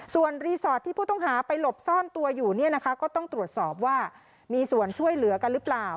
ส่วนรีสอร์ทที่ผู้ต้องหาไปหลบซ่อนตัวอยู่เนี่ยนะคะก็ต้องตรวจสอบว่ามีส่วนช่วยเหลือกันหรือเปล่า